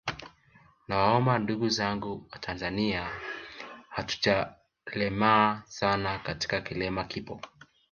Nawaomba ndugu zangu watanzania hatujalemaa sana lakini kilema kipo